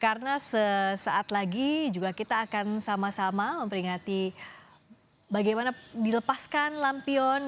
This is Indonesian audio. karena sesaat lagi juga kita akan sama sama memperingati bagaimana dilepaskan lampion